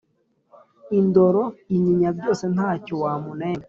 Indoro inyinya byose ntacyo wamunenga